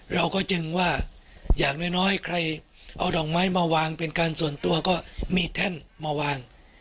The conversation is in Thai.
เราก็จึงว่าอย่างน้อยใครเอาดอกไม้มาวางเป็นการส่วนตัวก็มีแท่นมาวาง